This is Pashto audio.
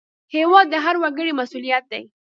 هېواد د هر وګړي مسوولیت دی